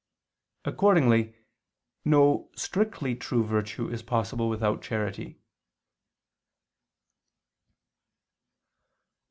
Accordingly no strictly true virtue is possible without charity.